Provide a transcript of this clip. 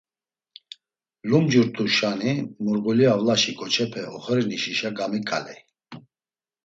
Lumcurt̆uşani Murğuli avlaşi ǩoçepe oxorinişişa gamiǩaley.